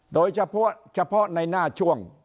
โดยเฉพาะในหน้าช่วง